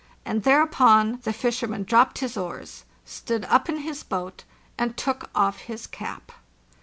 And thereupon the fisherman dropped his oars, stood up in his boat, and took off his cap.